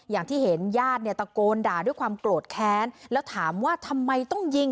อย่างที่เห็นญาติเนี่ยตะโกนด่าด้วยความโกรธแค้นแล้วถามว่าทำไมต้องยิง